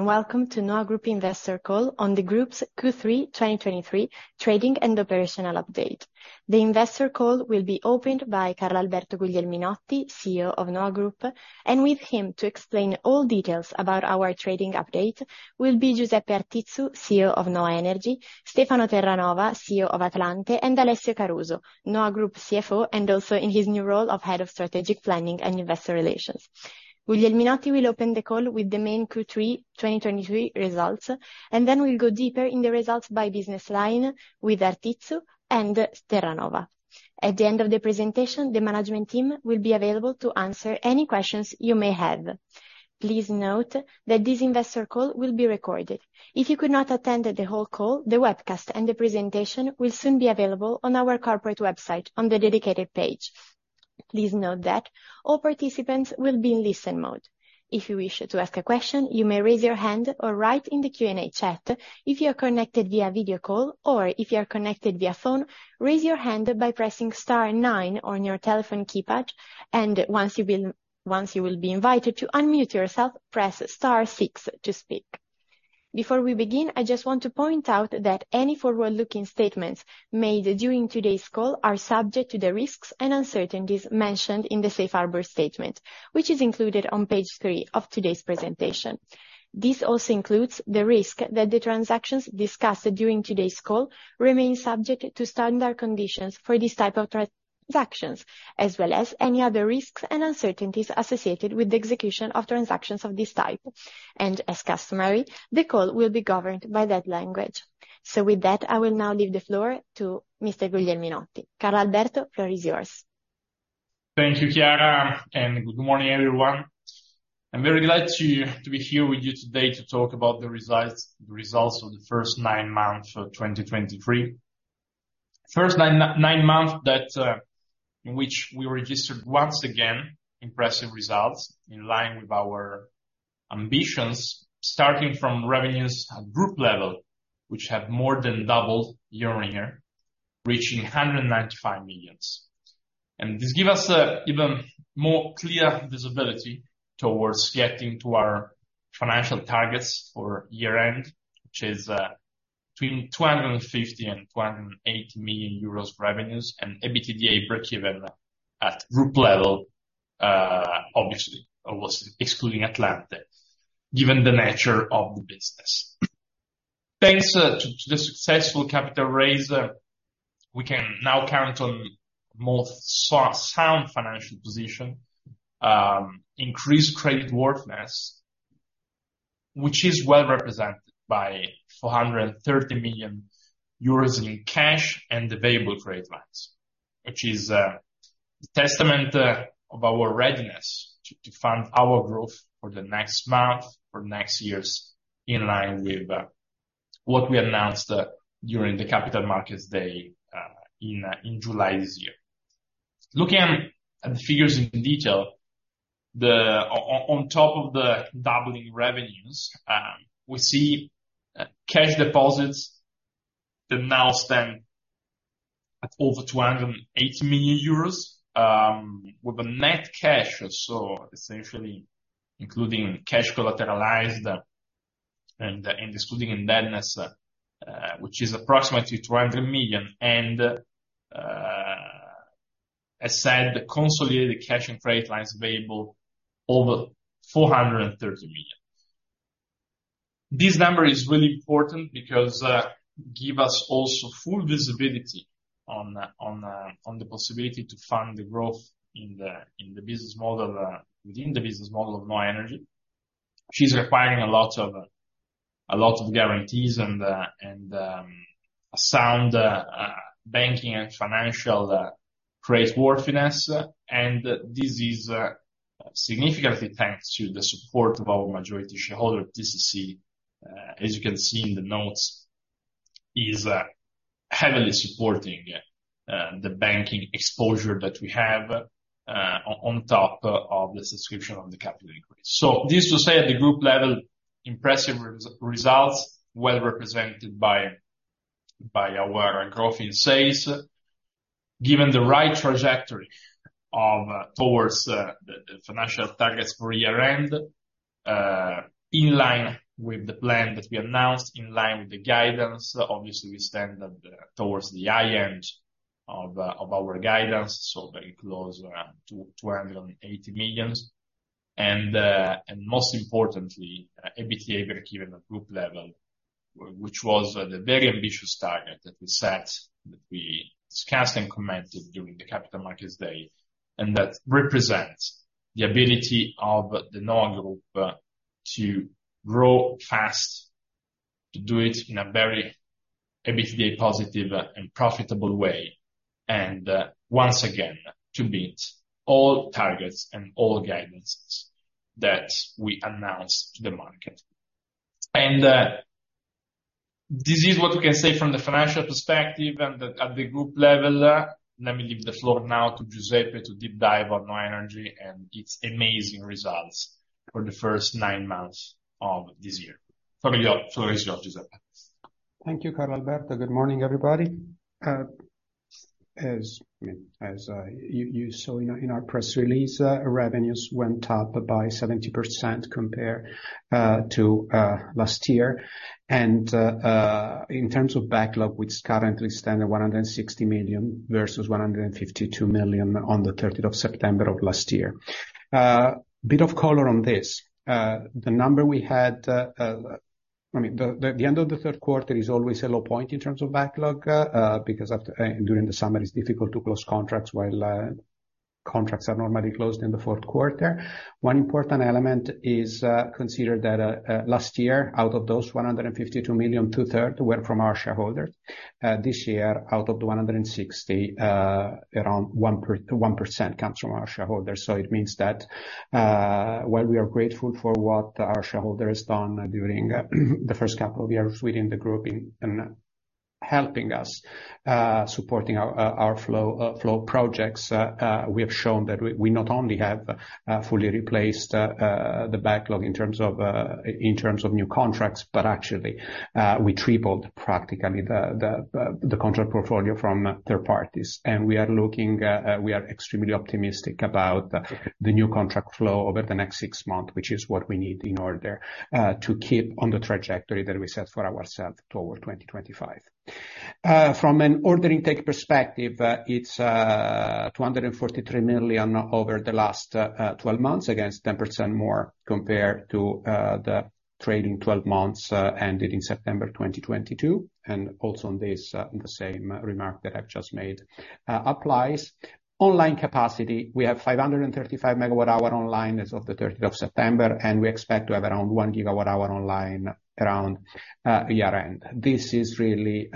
Welcome to NHOA Group Investor Call on the Group's Q3 2023 Trading and Operational Update. The Investor Call will be opened by Carlalberto Guglielminotti, CEO of NHOA Group, and with him to explain all details about our trading update will be Giuseppe Artizzu, CEO of NHOA Energy, Stefano Terranova, CEO of Atlante, and Alessio Caruso, NHOA Group CFO, and also in his new role of Head of Strategic Planning and Investor Relations. Guglielminotti will open the call with the main Q3 2023 results, and then we'll go deeper in the results by business line with Artizzu and Terranova. At the end of the presentation, the management team will be available to answer any questions you may have. Please note that this Investor Call will be recorded. If you could not attend the whole call, the webcast and the presentation will soon be available on our corporate website on the dedicated page. Please note that all participants will be in listen mode. If you wish to ask a question, you may raise your hand or write in the Q&A chat if you are connected via video call, or if you are connected via phone, raise your hand by pressing star nine on your telephone keypad, and once you are invited to unmute yourself, press star six to speak. Before we begin, I just want to point out that any forward-looking statements made during today's call are subject to the risks and uncertainties mentioned in the Safe Harbor Statement, which is included on page three of today's presentation. This also includes the risk that the transactions discussed during today's call remain subject to standard conditions for this type of transactions, as well as any other risks and uncertainties associated with the execution of transactions of this type. And as customary, the call will be governed by that language. So with that, I will now leave the floor to Mr. Guglielminotti. Carlalberto, the floor is yours. Thank you, Chiara, and good morning, everyone. I'm very glad to be here with you today to talk about the results of the first nine months of 2023. First nine months that in which we registered, once again, impressive results in line with our ambitions, starting from revenues at group level, which have more than doubled year-on-year, reaching 195 million. And this give us even more clear visibility towards getting to our financial targets for year end, which is between 250 million and 280 million euros revenues, and EBITDA breakeven at group level, obviously, excluding Atlante, given the nature of the business. Thanks, to the successful capital raise, we can now count on more sound financial position, increased creditworthiness, which is well represented by 430 million euros in cash and available trade lines, which is a testament of our readiness to fund our growth for the next month, for next years, in line with what we announced during the Capital Markets Day in July this year. Looking at the figures in detail, on top of the doubling revenues, we see cash deposits that now stand at over 280 million euros, with a net cash, so essentially including cash collateralized, and excluding indebtedness, which is approximately 200 million, and as said, the consolidated cash and credit lines available, over 430 million. This number is really important because, give us also full visibility on, on the possibility to fund the growth in the, in the business model, within the business model of NHOA Energy. She's requiring a lot of, a lot of guarantees and, and, a sound, banking and financial, creditworthiness, and this is, significantly thanks to the support of our majority shareholder, TCC, as you can see in the notes, is, heavily supporting, the banking exposure that we have, on top of the subscription of the capital increase. So this to say, at the group level, impressive results, well represented by, by our growth in sales, given the right trajectory of, towards, the financial targets for year end, in line with the plan that we announced, in line with the guidance. Obviously, we stand up towards the high end of our guidance, so very close to 280 million. And most importantly, EBITDA breakeven at group level, which was the very ambitious target that we set, that we discussed and commented during the Capital Markets Day, and that represents the ability of the NHOA Group to grow fast, to do it in a very EBITDA positive and profitable way, and once again, to meet all targets and all guidances that we announced to the market. And this is what we can say from the financial perspective and at the group level. Let me leave the floor now to Giuseppe to deep dive on NHOA Energy and its amazing results for the first nine months of this year. Floor is yours, Giuseppe.... Thank you, Carlalberto. Good morning, everybody. As you saw in our press release, revenues went up by 70% compared to last year. In terms of backlog, which currently stands at 160 million versus 152 million on the 13th of September of last year. A bit of color on this. I mean, the end of the third quarter is always a low point in terms of backlog because during the summer, it's difficult to close contracts, while contracts are normally closed in the fourth quarter. One important element is considered that last year, out of those 152 million, 2/3 were from our shareholders. This year, out of the 160, around 1% comes from our shareholders. So it means that, while we are grateful for what our shareholder has done during the first couple of years within the group in helping us supporting our flow projects, we have shown that we not only have fully replaced the backlog in terms of new contracts, but actually, we tripled practically the contract portfolio from third parties. And we are looking, we are extremely optimistic about the new contract flow over the next six months, which is what we need in order to keep on the trajectory that we set for ourselves toward 2025. From an order intake perspective, it's 243 million over the last 12 months, against 10% more compared to the trailing 12 months ending in September 2022. And also on this, the same remark that I've just made applies. Online capacity, we have 535 MWh online as of the 13th of September, and we expect to have around 1 GWh online around year-end. This is really,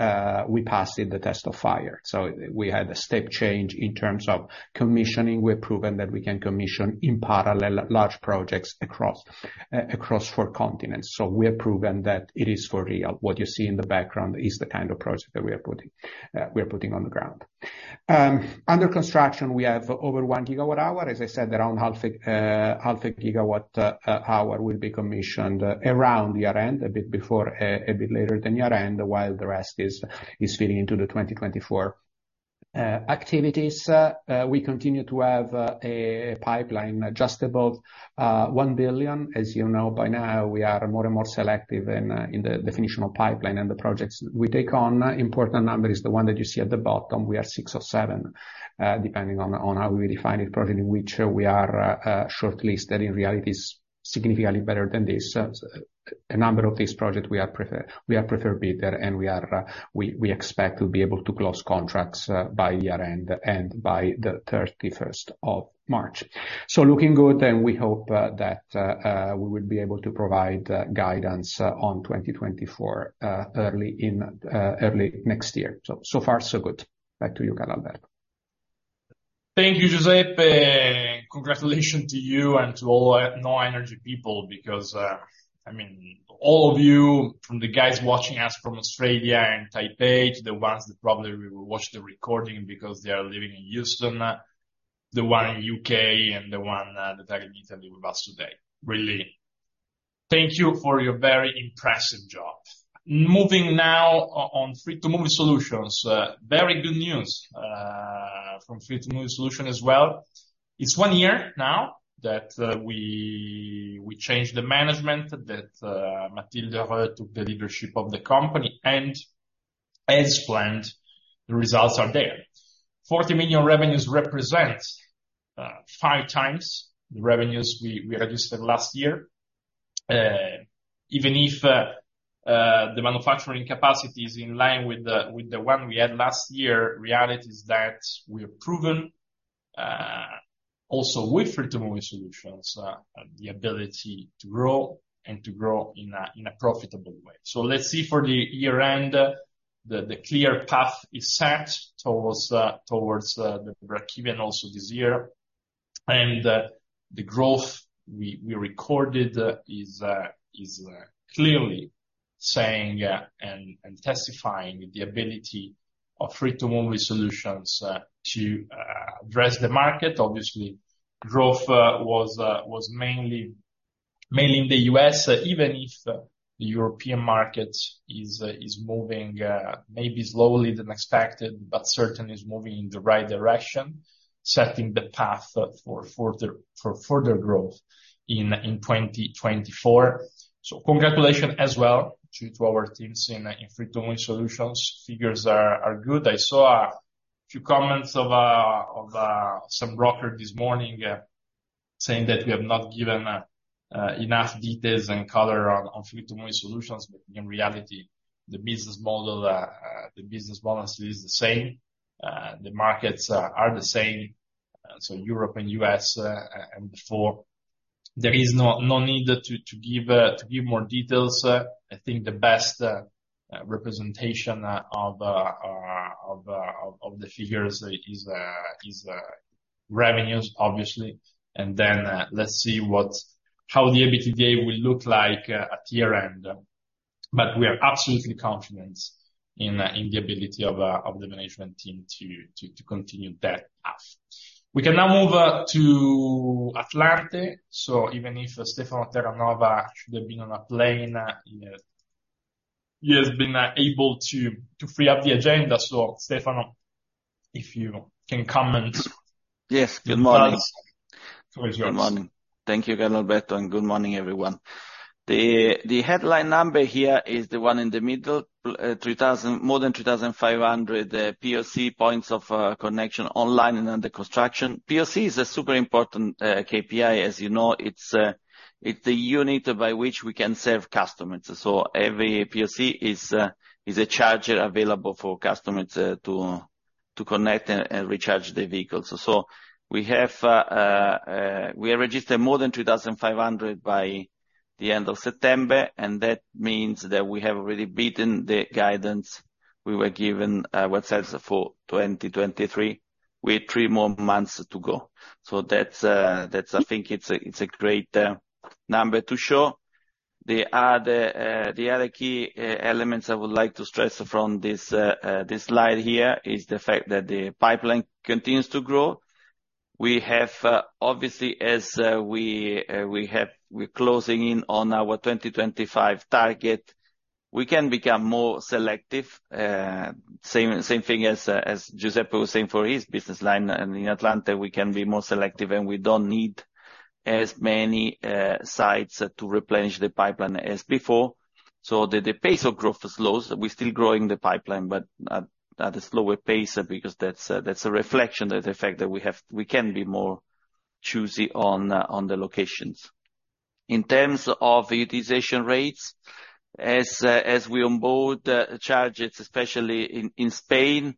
we passed the test of fire, so we had a step change in terms of commissioning. We've proven that we can commission in parallel large projects across four continents, so we have proven that it is for real. What you see in the background is the kind of project that we are putting, we are putting on the ground. Under construction, we have over 1 GWh. As I said, around half a GWh will be commissioned around year-end, a bit before, a bit later than year-end, while the rest is feeding into the 2024 activities. We continue to have a pipeline just above 1 billion. As you know by now, we are more and more selective in the definitional pipeline and the projects we take on. Important number is the one that you see at the bottom. We are six or seven, depending on how we define it, project in which we are shortlisted. In reality, it's significantly better than this. A number of these projects we are preferred bidder, and we expect to be able to close contracts by year-end and by the thirty-first of March. So looking good, and we hope that we will be able to provide guidance on 2024 early next year. So, so far, so good. Back to you, Carlalberto. Thank you, Giuseppe. Congratulations to you and to all NHOA Energy people, because, I mean, all of you, from the guys watching us from Australia and Taipei, to the ones that probably will watch the recording because they are living in Houston, the one in U.K., and the one that are in Italy with us today, really thank you for your very impressive job. Moving now on Free2move eSolutions. Very good news from Free2move eSolutions as well. It's one year now that we changed the management, that Mathilde took the leadership of the company, and as planned, the results are there. 40 million revenues represents 5x the revenues we registered last year. Even if the manufacturing capacity is in line with the one we had last year, reality is that we have proven also with Free2move eSolutions the ability to grow and to grow in a profitable way. So let's see for the year-end, the clear path is set towards the breakeven also this year. And the growth we recorded is clearly saying and testifying the ability of Free2move eSolutions to address the market. Obviously, growth was mainly in the U.S., even if the European market is moving maybe slowly than expected, but certainly is moving in the right direction, setting the path for further growth in 2024. So congratulations as well to our teams in Free2move eSolutions. Figures are good. I saw a few comments of some broker this morning saying that we have not given enough details and color on Free2move eSolutions, but in reality, the business model is the same. The markets are the same, so Europe and U.S., and before. There is no need to give more details. I think the best representation of the figures is revenues, obviously. And then, let's see what's... how the EBITDA will look like at year-end, but we are absolutely confident in the ability of the management team to continue that path. We can now move to Atlante. So even if Stefano Terranova should have been on a plane, he has been able to free up the agenda. So Stefano, if you can comment? Yes, good morning. The floor is yours. Good morning. Thank you, Carlalberto, and good morning, everyone. The headline number here is the one in the middle, more than 2,500 POC, Points of Charge online and under construction. POC is a super important KPI, as you know, it's the unit by which we can serve customers. So every POC is a charger available for customers to connect and recharge their vehicles. So we have we registered more than 2,500 by the end of September, and that means that we have already beaten the guidance we were given ourselves for 2023, with 3 more months to go. So that's, I think, a great number to show. The other key elements I would like to stress from this slide here is the fact that the pipeline continues to grow. We have obviously as we have we're closing in on our 2025 target, we can become more selective. Same thing as Giuseppe was saying for his business line, and in Atlante, we can be more selective, and we don't need as many sites to replenish the pipeline as before. So the pace of growth slows. We're still growing the pipeline, but at a slower pace because that's a reflection of the fact that we have we can be more choosy on the locations. In terms of utilization rates, as we onboard charges, especially in Spain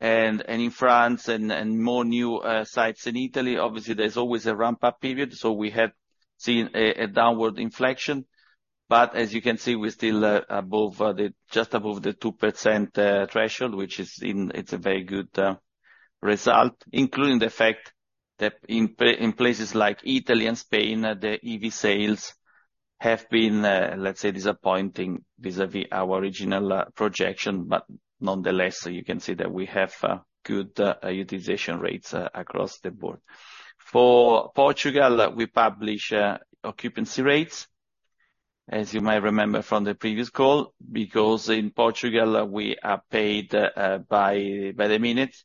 and in France, and more new sites in Italy, obviously there's always a ramp-up period, so we have seen a downward inflection. But as you can see, we're still just above the 2% threshold, which is. It's a very good result, including the fact that in places like Italy and Spain, the EV sales have been, let's say, disappointing vis-à-vis our original projection. But nonetheless, you can see that we have good utilization rates across the board. For Portugal, we publish occupancy rates, as you might remember from the previous call, because in Portugal, we are paid by the minute.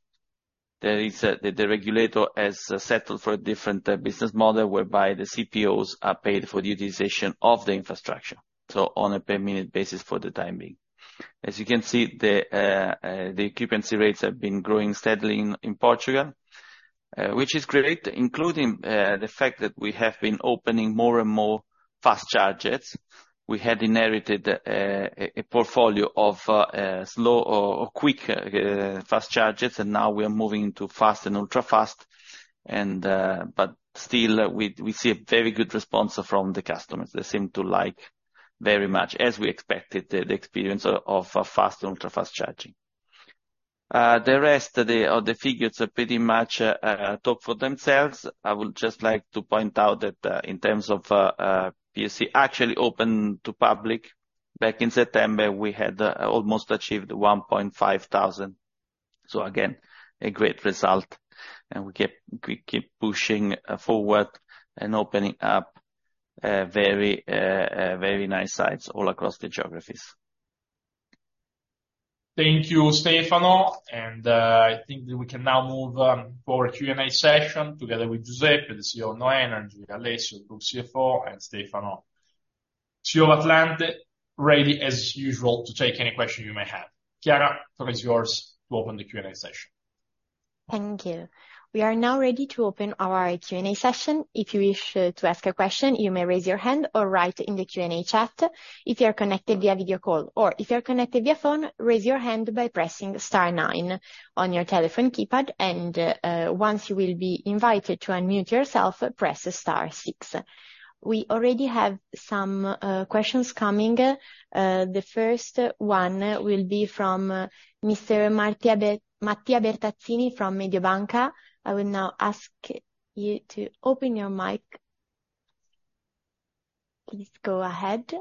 The regulator has settled for a different business model, whereby the CPOs are paid for the utilization of the infrastructure, so on a per-minute basis for the time being. As you can see, the occupancy rates have been growing steadily in Portugal, which is great, including the fact that we have been opening more and more fast charges. We had inherited a portfolio of slow or quick fast charges, and now we are moving to fast and ultra-fast. But still, we see a very good response from the customers. They seem to like very much, as we expected, the experience of fast and ultra-fast charging. The rest of the figures pretty much talk for themselves. I would just like to point out that, in terms of POC actually open to public, back in September, we had almost achieved 1,500. So again, a great result, and we keep, we keep pushing forward and opening up very very nice sites all across the geographies. Thank you, Stefano. I think that we can now move for a Q&A session together with Giuseppe, the CEO of NHOA Energy, and with Alessio, Group CFO, and Stefano, CEO of Atlante, ready as usual, to take any question you may have. Chiara, the floor is yours to open the Q&A session. Thank you. We are now ready to open our Q&A session. If you wish to ask a question, you may raise your hand or write in the Q&A chat if you are connected via video call, or if you are connected via phone, raise your hand by pressing star nine on your telephone keypad, and once you will be invited to unmute yourself, press star six. We already have some questions coming. The first one will be from Mr. Mattia Bertazzini from Mediobanca. I will now ask you to open your mic. Please go ahead.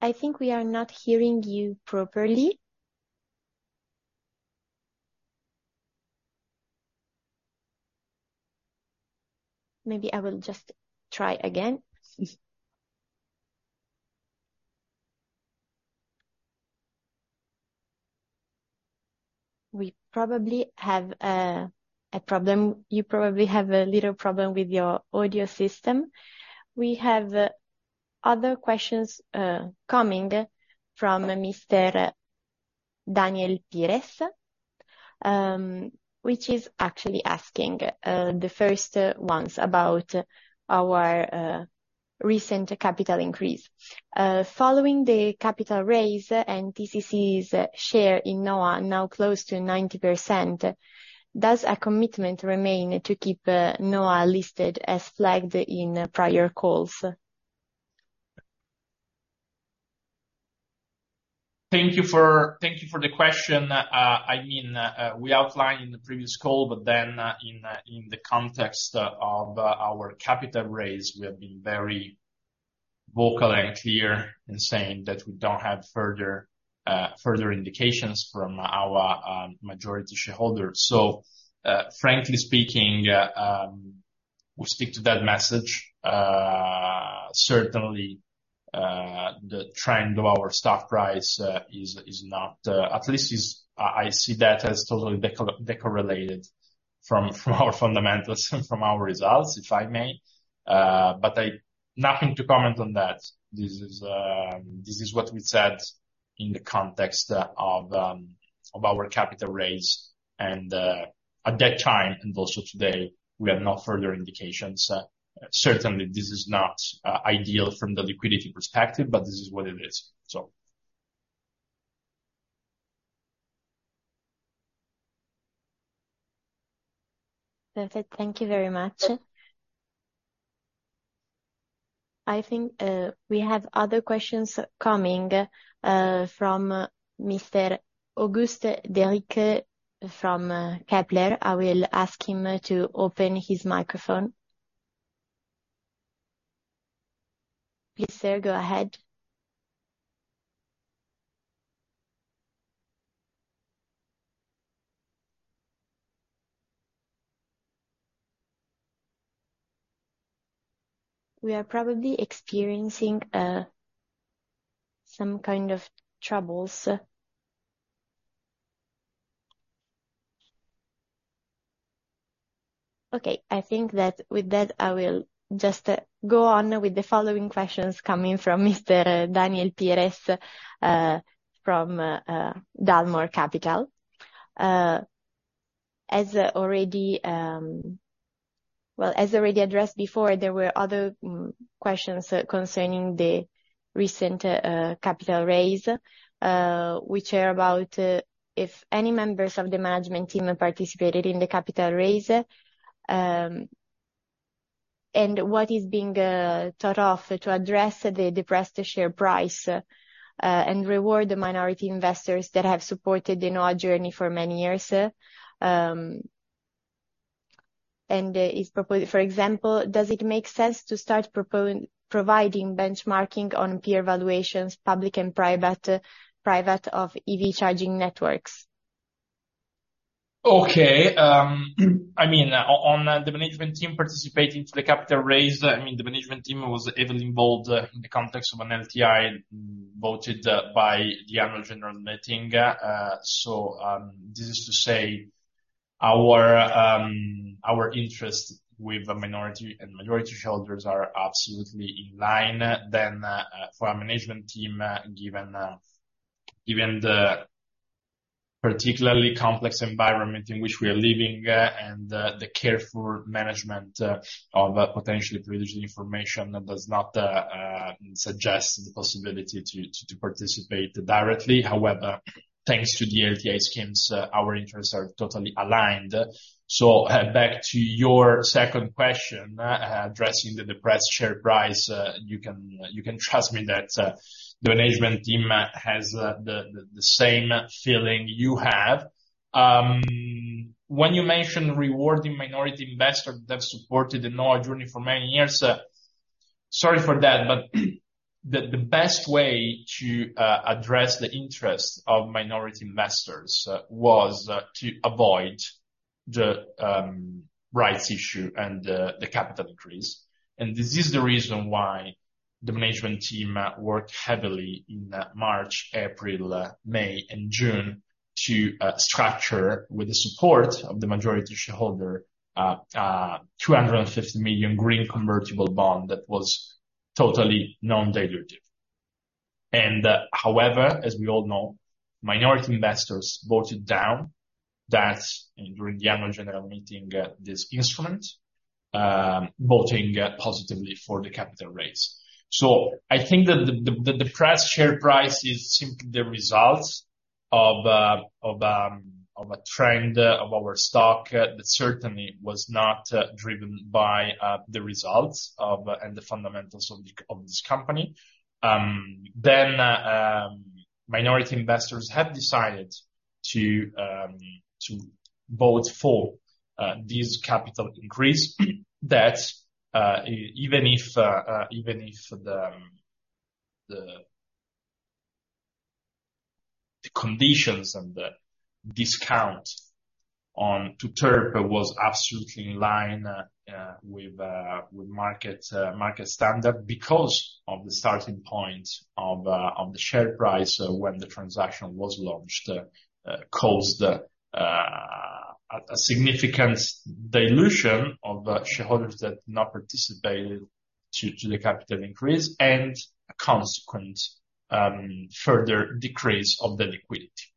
I think we are not hearing you properly. Maybe I will just try again. We probably have a problem. You probably have a little problem with your audio system. We have other questions coming from Mr. Daniel Pires, which is actually asking the first ones about our recent capital increase. Following the capital raise and TCC's share in NHOA are now close to 90%, does a commitment remain to keep NHOA listed as flagged in prior calls? ... Thank you for, thank you for the question. I mean, we outlined in the previous call, but then, in the context of our capital raise, we have been very vocal and clear in saying that we don't have further, further indications from our majority shareholders. So, frankly speaking, we stick to that message. Certainly, the trend of our stock price is, is not, at least is-- I see that as totally decol- decorrelated from our fundamentals and from our results, if I may. But I-- nothing to comment on that. This is what we said in the context of our capital raise, and, at that time, and also today, we have no further indications. Certainly, this is not ideal from the liquidity perspective, but this is what it is, so. Perfect. Thank you very much. I think we have other questions coming from Mr. Auguste Darlix from Kepler Cheuvreux. I will ask him to open his microphone. Please, sir, go ahead. We are probably experiencing some kind of troubles. Okay, I think that with that, I will just go on with the following questions coming from Mr. Daniel Pires from Dalmore Capital. Well, as already addressed before, there were other questions concerning the recent capital raise, which are about if any members of the management team have participated in the capital raise, and what is being thought of to address the depressed share price, and reward the minority investors that have supported the NHOA journey for many years. For example, does it make sense to start providing benchmarking on peer evaluations, public and private, of EV charging networks? Okay, I mean, on the management team participating to the capital raise, I mean, the management team was heavily involved in the context of an LTI, voted by the annual general meeting. So, this is to say, our interest with the minority and majority shareholders are absolutely in line. Then, for our management team, given the particularly complex environment in which we are living and the careful management of potentially privileged information, that does not suggest the possibility to participate directly. However, thanks to the LTI schemes, our interests are totally aligned. So, back to your second question, addressing the depressed share price, you can trust me that the management team has the same feeling you have. When you mention rewarding minority investors that supported the NHOA journey for many years, sorry for that, but the best way to address the interest of minority investors was to avoid the rights issue and the capital increase. This is the reason why the management team worked heavily in March, April, May, and June to structure, with the support of the majority shareholder, 250 million green convertible bond that was totally non-dilutive. However, as we all know, minority investors voted down that, and during the annual general meeting, this instrument voting positively for the capital raise. So I think that the depressed share price is simply the results of a trend of our stock that certainly was not driven by the results of, and the fundamentals of this company. Then minority investors have decided to vote for this capital increase. That even if the conditions and the discount on to TERP was absolutely in line with market standard, because of the starting point of the share price when the transaction was launched caused a significant dilution of shareholders that not participated to the capital increase, and a consequent further decrease of the liquidity.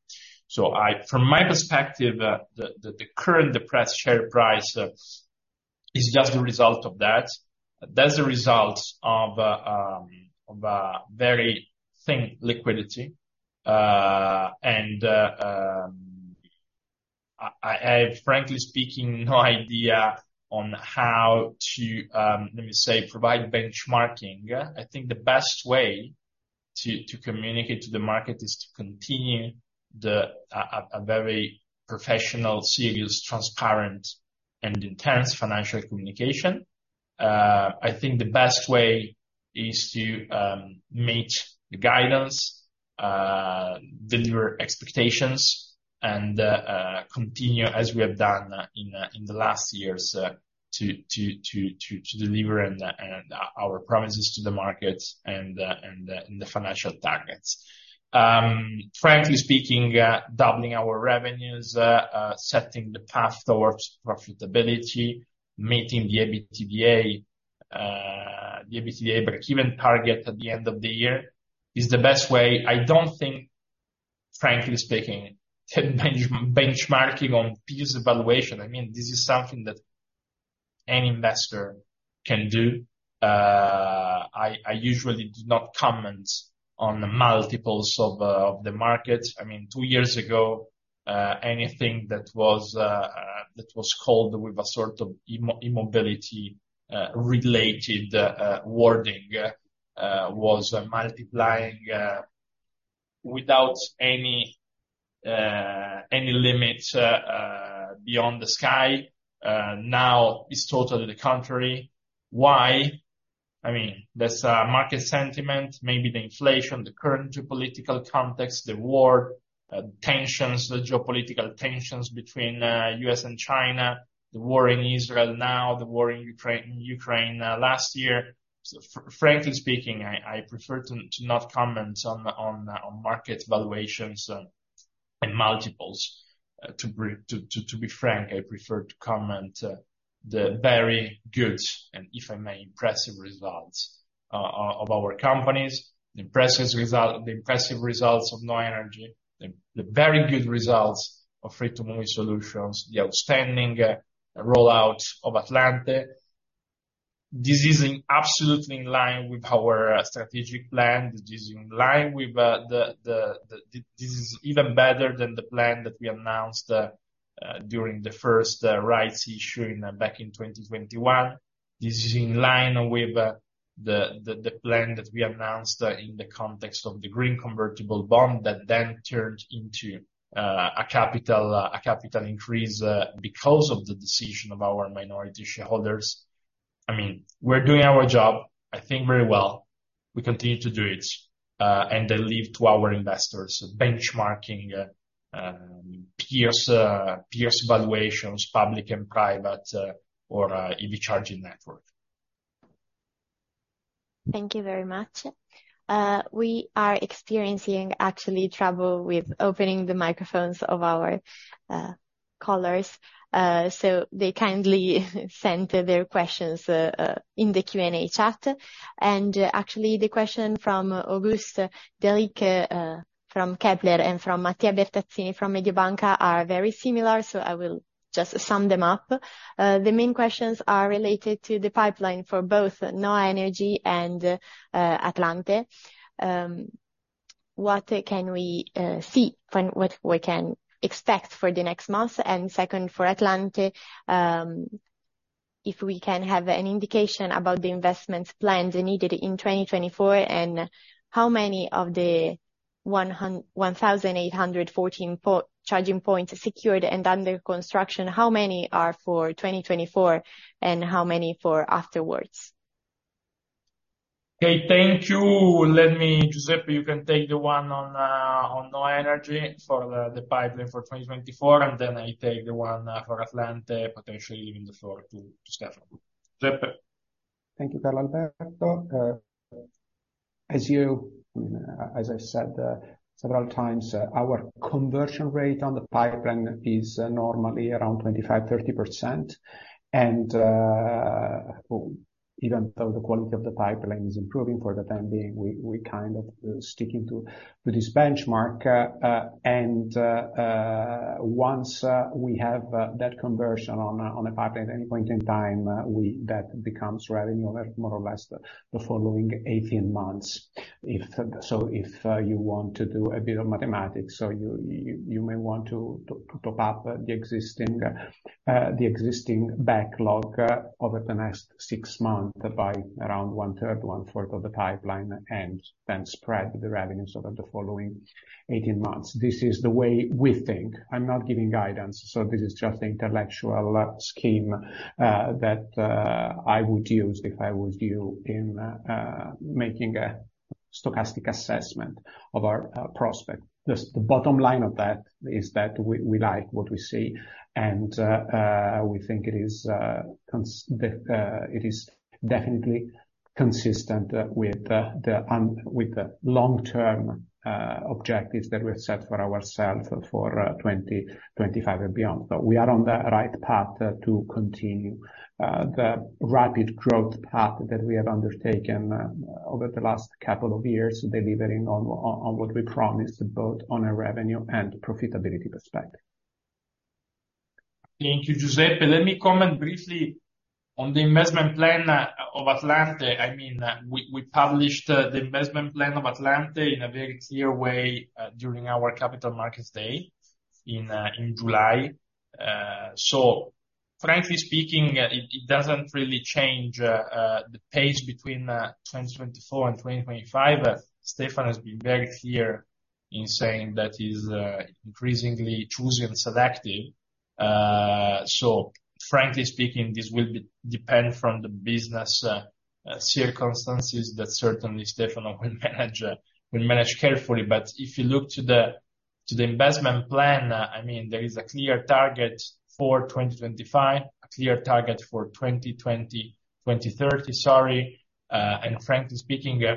So I-- from my perspective, the current depressed share price is just a result of that. That's a result of a very thin liquidity, and... I, frankly speaking, no idea on how to, let me say, provide benchmarking. I think the best way to communicate to the market is to continue a very professional, serious, transparent, and intense financial communication. I think the best way is to meet the guidance, deliver expectations, and continue as we have done in the last years to deliver our promises to the markets and the financial targets. Frankly speaking, doubling our revenues, setting the path towards profitability, meeting the EBITDA, the EBITDA breakeven target at the end of the year, is the best way. I don't think, frankly speaking, benchmarking on peers evaluation, I mean, this is something that any investor can do. I usually do not comment on the multiples of, of the market. I mean, two years ago, anything that was, that was called with a sort of immo-, immobility, related, wording, was multiplying, without any, any limits, beyond the sky. Now, it's totally the contrary. Why? I mean, there's a market sentiment, maybe the inflation, the current geopolitical context, the war, tensions, the geopolitical tensions between, U.S. and China, the war in Israel now, the war in Ukraine, Ukraine, last year. Frankly speaking, I prefer to not comment on market valuations and multiples. To be frank, I prefer to comment the very good, and if I may, impressive results of our companies. The impressive result, the impressive results of NHOA Energy, the very good results of Free2move eSolutions, the outstanding rollout of Atlante. This is absolutely in line with our strategic plan. This is in line with the, the, the. This is even better than the plan that we announced during the first rights issue back in 2021. This is in line with the plan that we announced in the context of the green convertible bond that then turned into a capital increase because of the decision of our minority shareholders. I mean, we're doing our job, I think very well. We continue to do it, and I leave to our investors benchmarking peers valuations, public and private, or EV charging network. Thank you very much. We are experiencing actually trouble with opening the microphones of our callers. So they kindly sent their questions in the Q&A chat. And actually, the question from Auguste Darlix from Kepler and from Mattia Bertazzini from Mediobanca are very similar, so I will just sum them up. The main questions are related to the pipeline for both NHOA Energy and Atlante. What can we see, when, what we can expect for the next months? And second, for Atlante, if we can have an indication about the investments plans needed in 2024, and how many of the 1,814 POC charging points secured and under construction, how many are for 2024, and how many for afterwards? Okay, thank you. Let me, Giuseppe, you can take the one on, on NHOA Energy for the, the pipeline for 2024, and then I take the one for Atlante, potentially leaving the floor to, to Stefano. Giuseppe? Thank you, Carlalberto. As I said several times, our conversion rate on the pipeline is normally around 25%-30%. And even though the quality of the pipeline is improving for the time being, we kind of sticking to this benchmark. And once we have that conversion on a pipeline at any point in time, that becomes revenue, more or less, the following 18 months. So if you want to do a bit of mathematics, you may want to top up the existing backlog over the next six months by around 1/3, 1/4 of the pipeline, and then spread the revenue sort of the following 18 months. This is the way we think. I'm not giving guidance, so this is just intellectual scheme that I would use, if I was you, in making a stochastic assessment of our prospect. The bottom line of that is that we like what we see, and we think it is definitely consistent with the long-term objectives that we've set for ourselves for 2025 and beyond. But we are on the right path to continue the rapid growth path that we have undertaken over the last couple of years, delivering on what we promised, both on a revenue and profitability perspective. Thank you, Giuseppe. Let me comment briefly. On the investment plan of Atlante, I mean, we published the investment plan of Atlante in a very clear way during our Capital Markets Day in July. So frankly speaking, it doesn't really change the pace between 2024 and 2025. Stefano has been very clear in saying that he's increasingly choosing selective. So frankly speaking, this will depend from the business circumstances that certainly Stefano will manage carefully. But if you look to the investment plan, I mean, there is a clear target for 2025, a clear target for 2020, 2030, sorry. Frankly speaking, yeah,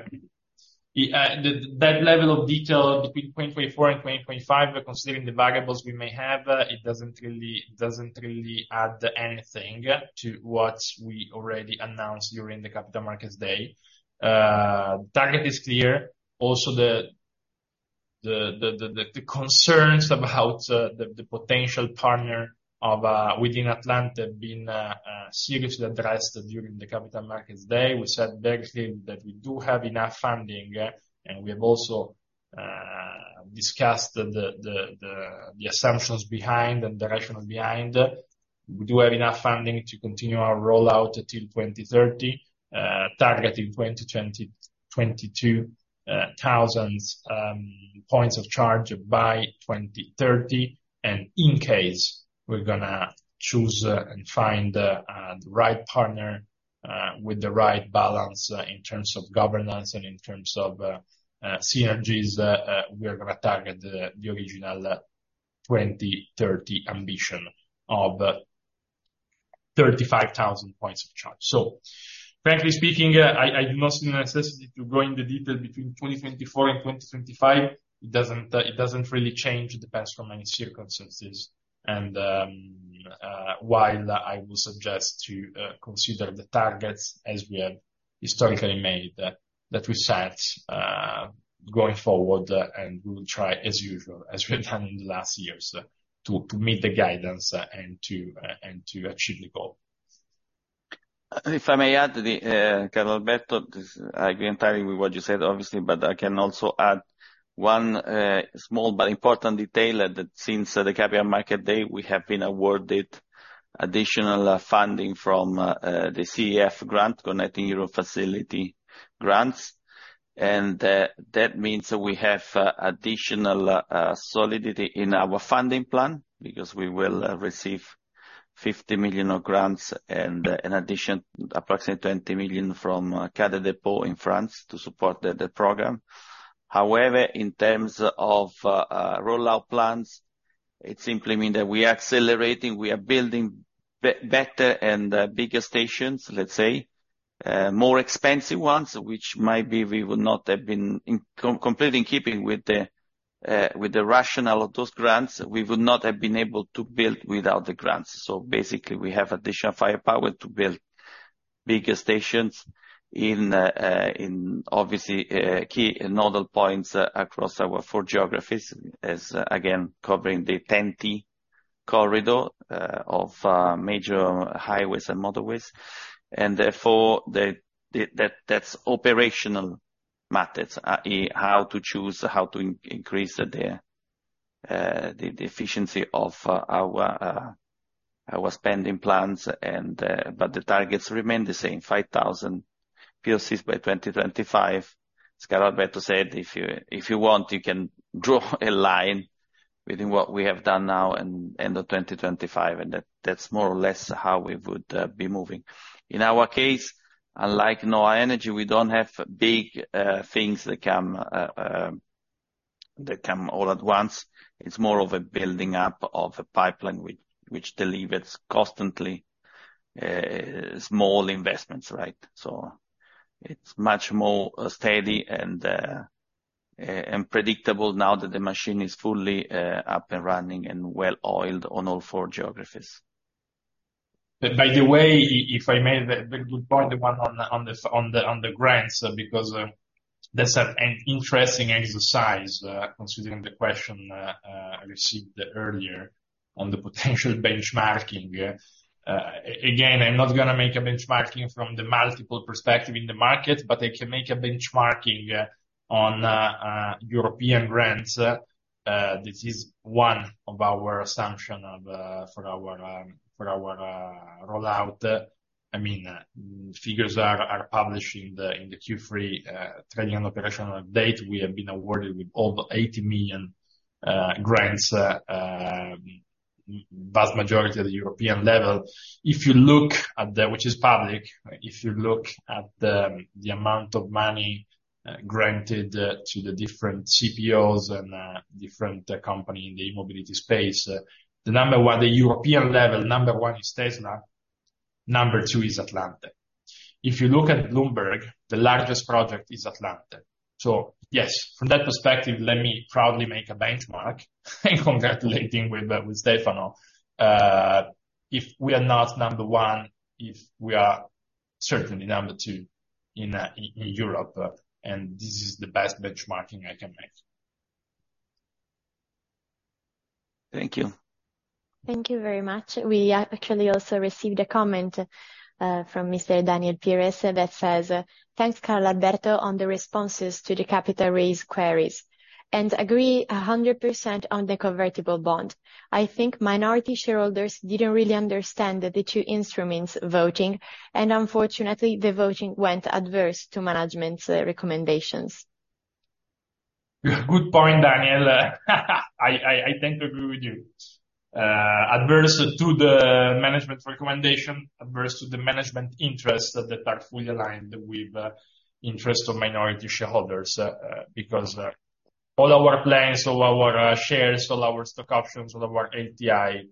that level of detail between 2024 and 2025, considering the variables we may have, it doesn't really, it doesn't really add anything to what we already announced during the Capital Markets Day. Target is clear. Also, the concerns about the potential partner within Atlante being seriously addressed during the Capital Markets Day, we said very clearly that we do have enough funding, and we have also discussed the assumptions behind and the rationale behind. We do have enough funding to continue our rollout until 2030, targeting 20,000-22,000 points of charge by 2030. And in case we're gonna choose and find the right partner with the right balance in terms of governance and in terms of synergies we are gonna target the original 2030 ambition of 35,000 points of charge. So frankly speaking I do not see the necessity to go into detail between 2024 and 2025. It doesn't it doesn't really change the best from any circumstances. And while I would suggest to consider the targets as we have historically made that we set going forward and we will try as usual as we have done in the last years to meet the guidance and to and to achieve the goal. If I may add to the, Carlalberto, I agree entirely with what you said, obviously, but I can also add one small but important detail, that since the Capital Markets Day, we have been awarded additional funding from the CEF grant, Connecting Europe Facility grants. And that means that we have additional solidity in our funding plan, because we will receive 50 million of grants and, in addition, approximately 20 million from Caisse des Dépôts in France to support the program. However, in terms of rollout plans, it simply mean that we are accelerating, we are building better and bigger stations, let's say, more expensive ones, which maybe we would not have been in complete in keeping with the rationale of those grants, we would not have been able to build without the grants. So basically, we have additional firepower to build bigger stations in obviously key nodal points across our four geographies, as again, covering the TEN-T corridor of major highways and motorways. And therefore, that's operational matters, how to choose, how to increase the efficiency of our spending plans and... But the targets remain the same, 5,000 POCs by 2025. As Carlalberto said, if you, if you want, you can draw a line between what we have done now and end of 2025, and that, that's more or less how we would be moving. In our case, unlike NHOA Energy, we don't have big things that come all at once. It's more of a building up of a pipeline which delivers constantly small investments, right? So it's much more steady and and predictable now that the machine is fully up and running and well-oiled on all four geographies. By the way, if I may, the very good point, the one on the grants, because that's an interesting exercise, considering the question I received earlier on the potential benchmarking. Again, I'm not gonna make a benchmarking from the multiple perspective in the market, but I can make a benchmarking on European grants. This is one of our assumption for our rollout. I mean, figures are published in the Q3 trading and operational data. We have been awarded with over 80 million grants, vast majority at the European level. If you look at the... Which is public, if you look at the amount of money granted to the different CPOs and different company in the mobility space, the number one, the European level, number one is Tesla, number two is Atlante. If you look at Bloomberg, the largest project is Atlante. So yes, from that perspective, let me proudly make a benchmark in congratulating with Stefano. If we are not number one, if we are certainly number two in Europe, and this is the best benchmarking I can make. Thank you. Thank you very much. We actually also received a comment from Mr. Daniel Pires that says, "Thanks, Carlalberto, on the responses to the capital raise queries, and agree 100% on the convertible bond. I think minority shareholders didn't really understand the two instruments voting, and unfortunately, the voting went adverse to management's recommendations. Good point, Daniel. I tend to agree with you. Adverse to the management's recommendation, adverse to the management interests that are fully aligned with interest of minority shareholders, because all our plans, all our shares, all our stock options, all our LTIs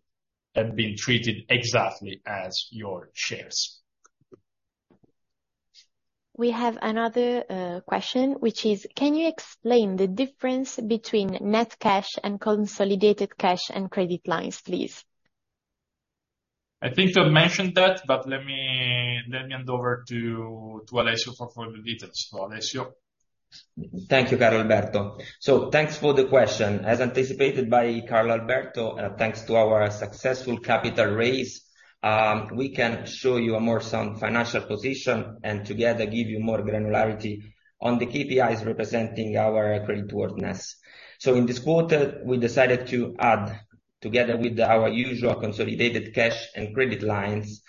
have been treated exactly as your shares. We have another question, which is: Can you explain the difference between net cash and consolidated cash and credit lines, please? I think I've mentioned that, but let me hand over to Alessio for further details. So, Alessio? Thank you, Carlalberto. So thanks for the question. As anticipated by Carlalberto, thanks to our successful capital raise, we can show you a more sound financial position, and together, give you more granularity on the KPIs representing our creditworthiness. So in this quarter, we decided to add, together with our usual consolidated cash and credit lines,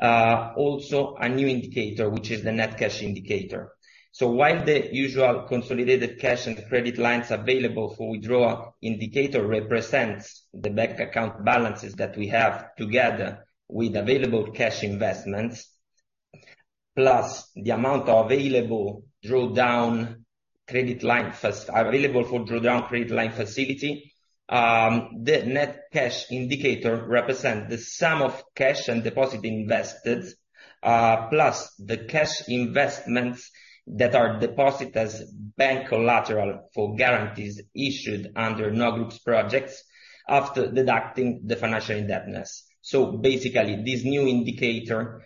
also a new indicator, which is the net cash indicator. So while the usual consolidated cash and credit lines available for withdrawal indicator represents the bank account balances that we have together with available cash investments, plus the amount available for drawdown credit line facility. The net cash indicator represent the sum of cash and deposits invested, plus the cash investments that are deposited as bank collateral for guarantees issued under NHOA Group's projects after deducting the financial indebtedness. So basically, this new indicator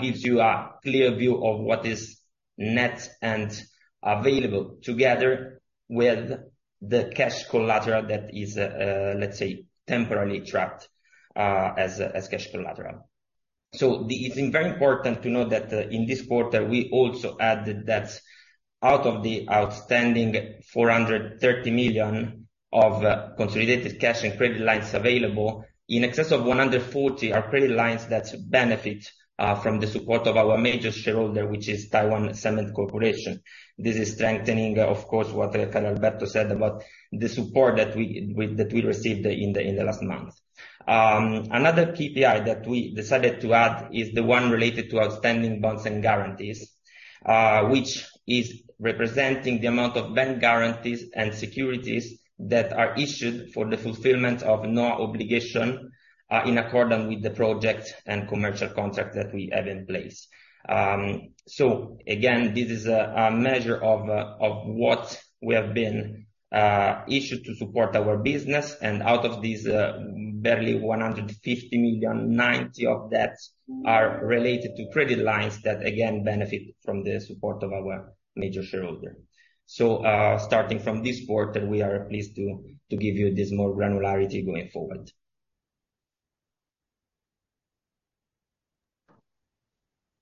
gives you a clear view of what is net and available, together with the cash collateral that is, let's say, temporarily trapped as cash collateral. It's very important to note that in this quarter, we also added that out of the outstanding 430 million of consolidated cash and credit lines available, in excess of 140 million are credit lines that benefit from the support of our major shareholder, which is Taiwan Cement Corporation. This is strengthening, of course, what Carlalberto said about the support that we received in the last month. Another KPI that we decided to add is the one related to outstanding bonds and guarantees, which is representing the amount of bank guarantees and securities that are issued for the fulfillment of NHOA obligation, in accordance with the project and commercial contract that we have in place. So again, this is a measure of what we have been issued to support our business, and out of these, barely 150 million, 90 million of that are related to credit lines that again, benefit from the support of our major shareholder. Starting from this quarter, we are pleased to give you this more granularity going forward.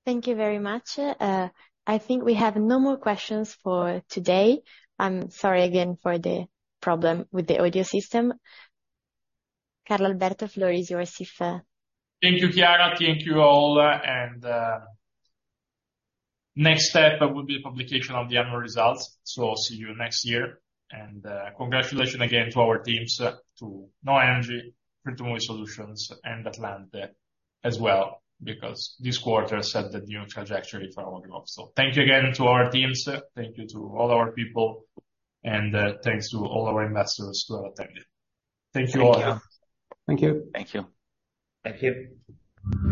Thank you very much. I think we have no more questions for today. I'm sorry again for the problem with the audio system. Carlalberto, floor is yours if, Thank you, Chiara. Thank you all, and next step will be the publication of the annual results. So I'll see you next year, and congratulations again to our teams, to NHOA Energy, Free2move eSolutions, and Atlante as well, because this quarter set the new trajectory for our growth. So thank you again to our teams, thank you to all our people, and thanks to all our investors who have attended. Thank you all. Thank you. Thank you. Thank you. Thank you.